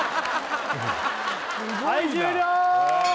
はい終了！